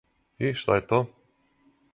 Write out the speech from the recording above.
И, шта је то?